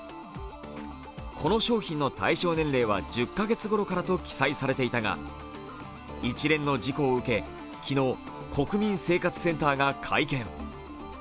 この商品の対象年齢は１０カ月頃からと記載されていたが、一連の事故を受け、昨日、国民生活センターが会見。